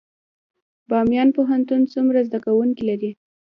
بامیان پوهنتون څومره زده کوونکي لري؟